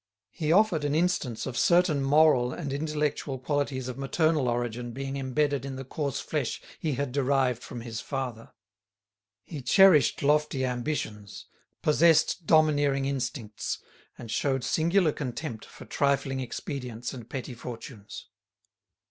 He offered an instance of certain moral and intellectual qualities of maternal origin being embedded in the coarse flesh he had derived from his father. He cherished lofty ambitions, possessed domineering instincts, and showed singular contempt for trifling expedients and petty fortunes.